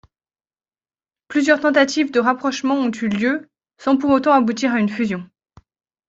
Plusieurs tentatives de rapprochement ont eu lieu sans pour autant aboutir à une fusion.